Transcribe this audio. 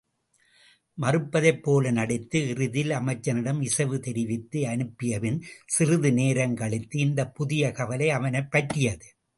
மறுப்பதைப்போல நடித்து இறுதியில் அமைச்சனிடம் இசைவு தெரிவித்து அனுப்பியபின் சிறிது நேரங்கழித்து இந்தப் புதிய கவலை அவனைப் பற்றியது.